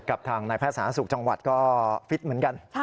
กับทางนายแพทย์สาธารณสุขจังหวัดก็ฟิตเหมือนกัน